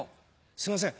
すいません